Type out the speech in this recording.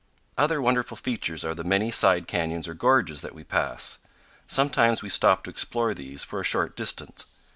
Other wonderful features are the many side canyons or gorges that we pass. Sometimes we stop to explore these for a short distance.